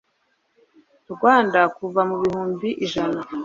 rwanda kuva ku bihumbi ijana